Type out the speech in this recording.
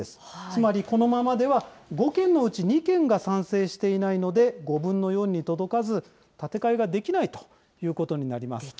つまりこのままでは５軒のうち２軒が賛成していないので、５分の４に届かず、建て替えができないということになります。